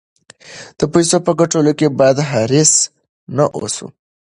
د پیسو په ګټلو کې باید حریص نه اوسو.